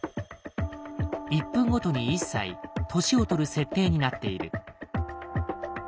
１分ごとに１歳年を取る設定になっている。